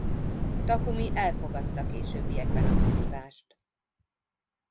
Takumi elfogadta későbbiekben a kihívást.